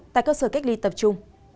tại cơ sở cách ly tập trung